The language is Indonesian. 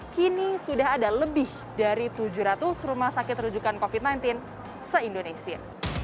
kini sudah ada lebih dari tujuh ratus rumah sakit rujukan covid sembilan belas se indonesia